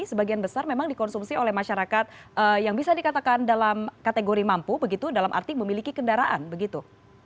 sebagian besar memang dikonsumsi oleh masyarakat yang bisa dikatakan dalam kategori mampu begitu dalam arti memiliki kendaraan begitu